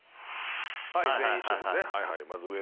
全員一緒ですね。